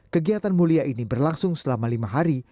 kegiatan mulia ini berlangsung selama lima hari